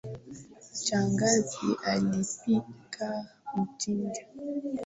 Shangazi alipika mchicha.